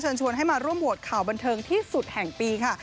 ชวนให้มาร่วมโหวตข่าวบันเทิงที่สุดแห่งปีค่ะ